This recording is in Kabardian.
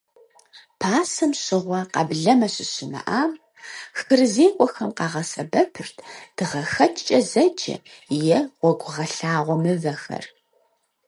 Пасэм щыгъуэ, къэблэмэ щыщымыӀам, хырызекӀуэхэм къагъэсэбэпырт дыгъэхэкӀкӀэ зэджэ, е гъуэгугъэлъагъуэ мывэхэр.